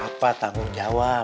papa tanggung jawab